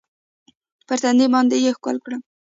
پر تندي باندې يې ښکل کړم.